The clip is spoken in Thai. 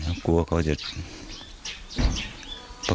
ก็มีกังวลอยู่ว่าเขาก็เป็นคนใหญ่นะครับ